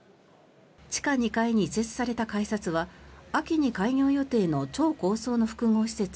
地下２階に移設された改札は秋に開業予定の超高層の複合施設